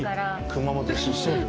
熊本出身。